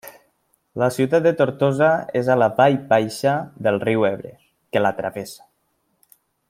La ciutat de Tortosa és a la vall baixa del riu Ebre que la travessa.